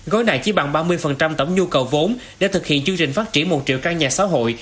gói này chỉ bằng ba mươi tổng nhu cầu vốn để thực hiện chương trình phát triển một triệu căn nhà xã hội